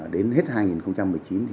đến hết hai nghìn một mươi chín